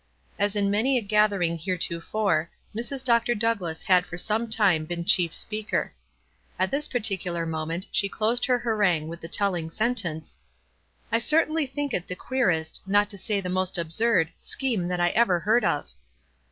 As in many a gathering heretofore, Mrs. Dr. Douglass had for some time been chief speak er. At this particular moment she closed her harangue with the telling sentence, — "I certainly think it the queerest, not to say the most absurd, scheme that I ever heard of."